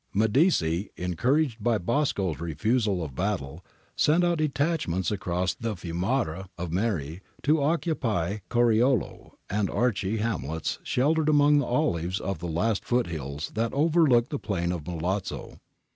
Medici, encouraged by Bosco's refusal of battle, sent out detachments across the fiumara of Meri to occupy Coriolo and Archi, hamlets sheltered among the olives of the last foot hills that overlook the plain of Milazzo.